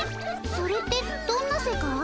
それってどんな世界？